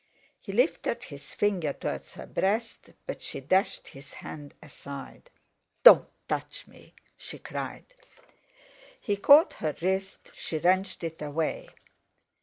He lifted his finger towards her breast, but she dashed his hand aside. "Don't touch me!" she cried. He caught her wrist; she wrenched it away.